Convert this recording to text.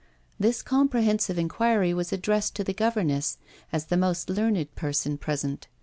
This comprehensive inquiry was addressed to the governess, as the most learned person present.